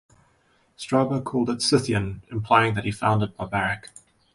Strabo calls it "Scythian", implying that he found it barbaric.